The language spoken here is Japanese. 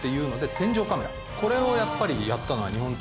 これをやっぱりやったのは。